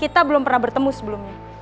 kita belum pernah bertemu sebelumnya